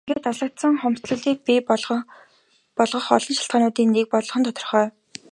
Ингээд алслагдал хомсдолыг бий болгох олон шалтгаануудын нэг болох нь тодорхой юм.